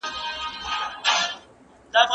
له قاصده سره نسته سلامونه